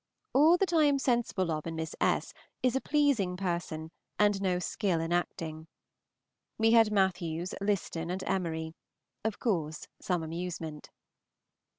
All that I am sensible of in Miss S. is a pleasing person and no skill in acting. We had Mathews, Liston, and Emery; of course, some amusement.